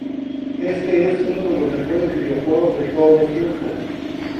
Este es uno de los mejores videojuegos de todos los tiempos".